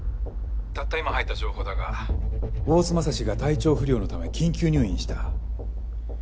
たった今入った情報だが大須匡が体調不良のため緊急入院した。